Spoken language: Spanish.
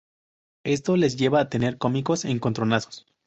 Esto les lleva a tener cómicos encontronazos.